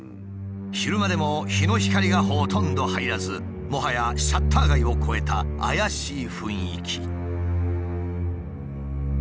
昼間でも日の光がほとんど入らずもはやシャッター街を超えた怪しい雰囲気。